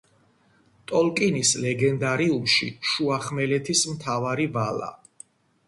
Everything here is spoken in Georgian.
ტოლკინის ლეგენდარიუმში, შუახმელეთის მთავარი ვალა.